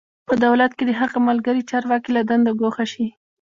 په دولت کې د هغه ملګري چارواکي له دندو ګوښه شي.